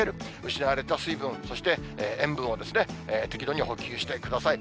失われた水分、そして塩分を適度に補給してください。